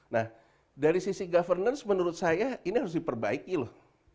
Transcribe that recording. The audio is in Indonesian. nah dari sisi governance menurut saya ini harus diperbaiki loh